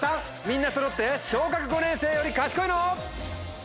みんなそろって小学５年生より賢いの？